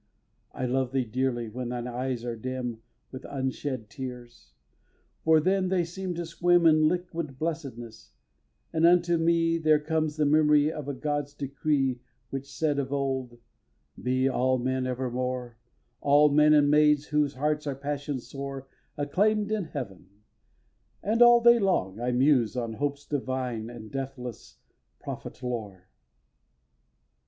xiv. I love thee dearly when thine eyes are dim With unshed tears; for then they seem to swim In liquid blessedness, and unto me There comes the memory of a god's decree Which said of old: "Be all men evermore, All men and maids whose hearts are passion sore, Acclaim'd in Heaven!" and all day long I muse On hope's divine and deathless prophet lore.